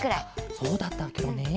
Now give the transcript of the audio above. そうだったケロね。